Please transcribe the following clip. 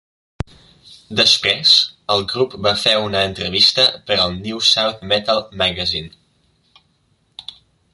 Després, el grup va fer una entrevista per al New South Metal Magazine.